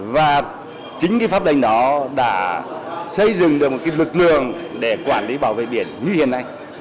và chính cái pháp lệnh đó đã xây dựng được một lực lượng để quản lý bảo vệ biển như hiện nay